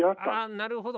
あなるほど。